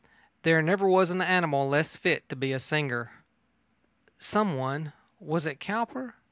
There never was an animal less fit to be a singer. Someone was it Cowper?